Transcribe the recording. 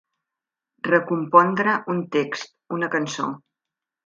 Recompondre un text, una cançó.